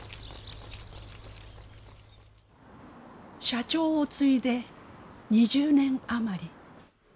社長を継いで２０年余り。